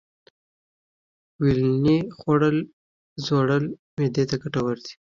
ویلنی خوړل خوړل معدې ته گټور دي.